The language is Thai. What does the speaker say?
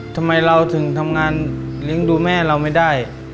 ทำไมเราถึงทำงานเลี้ยงดูแม่เราไม่ได้